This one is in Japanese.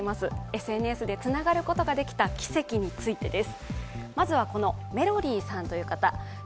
ＳＮＳでつながることができた奇跡についてです。